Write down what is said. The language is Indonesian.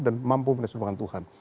dan mampu memanage hubungan tuhan